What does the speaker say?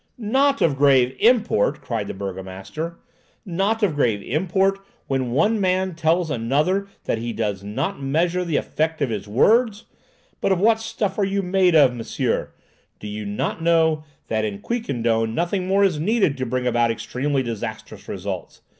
"Not of grave import!" cried the burgomaster. "Not of grave import, when one man tells another that he does not measure the effect of his words! But of what stuff are you made, monsieur? Do you not know that in Quiquendone nothing more is needed to bring about extremely disastrous results?